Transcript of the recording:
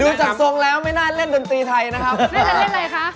ดูจากทรงแล้วไม่น่าเล่นดนติไทยนะครับ